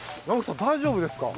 大丈夫ですね。